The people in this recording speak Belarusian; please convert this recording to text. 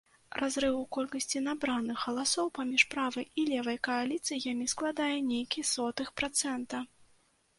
Разрыў у колькасці набраных галасоў паміж правай і левай кааліцыямі складае нейкі сотых працэнта.